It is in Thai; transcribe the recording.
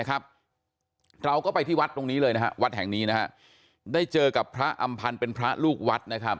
เราก็ไปที่วัดตรงนี้เลยนะฮะวัดแห่งนี้ได้เจอกับพระอำพันธ์เป็นพระลูกวัดนะครับ